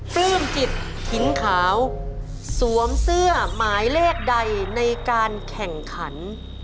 ปลื้มจิตหินขาวสวมเสื้อหมายเลขใดในการแข่งขัน